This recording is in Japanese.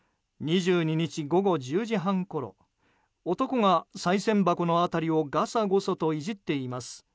２２日午後１０時半ごろ男がさい銭箱の辺りをガサゴソといじっています。